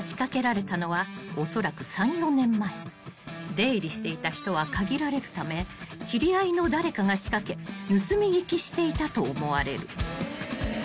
［出入りしていた人は限られるため知り合いの誰かが仕掛け盗み聞きしていたと思われる］